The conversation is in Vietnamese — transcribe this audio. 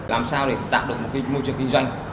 làm sao để tạo được một cái môi trường kinh doanh